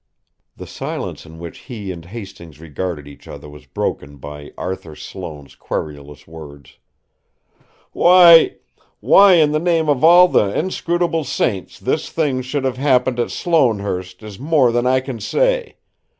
The silence in which he and Hastings regarded each other was broken by Arthur Sloane's querulous words: "Why why, in the name of all the inscrutable saints, this thing should have happened at Sloanehurst, is more than I can say!